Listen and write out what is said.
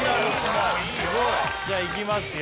すごいじゃあいきますよ